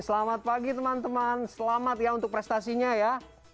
selamat pagi teman teman selamat ya untuk prestasinya ya